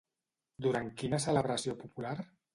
Durant quina celebració popular?